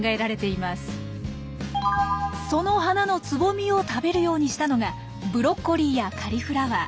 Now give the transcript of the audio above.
その花のつぼみを食べるようにしたのがブロッコリーやカリフラワー。